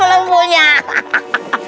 belum punya airnya